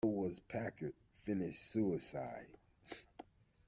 So was Packard's finish suicide.